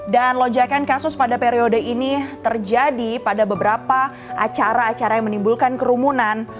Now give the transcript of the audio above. dan lojakan kasus pada periode ini terjadi pada beberapa acara acara yang menimbulkan kerumunan